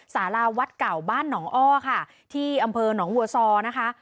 สาราวัดเก่าบ้านหนองอ้อค่ะที่อำเภอหนองวัวซอนะคะ